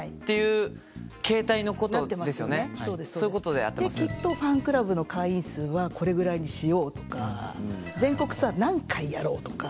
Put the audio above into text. できっとファンクラブの会員数はこれぐらいにしようとか全国ツアー何回やろうとか。